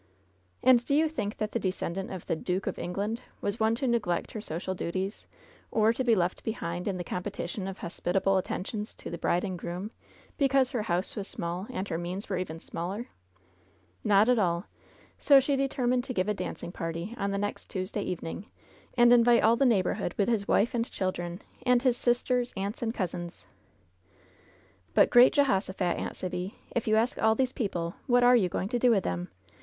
And do you think that the descendant of the '^Dook of England" was one to neglect her social duties, or to be left behind in the competition of hospitable attentions to the bride and groom because her house was small and her means were even smaller ? Not at alll So she determined to give a dancing party on the next Tuesday evening, and invite all the neighborhood with his wife and children, and '^his sis ters, aunts and cousins.'' "But, great Jehosophat, Aunt Sibby, if you ask all these people, what are you going to do with them